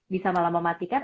bisa malah mematikan